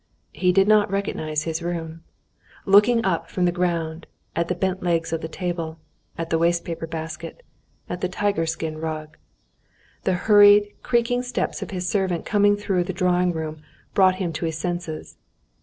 He did not recognize his room, looking up from the ground, at the bent legs of the table, at the wastepaper basket, and the tiger skin rug. The hurried, creaking steps of his servant coming through the drawing room brought him to his senses.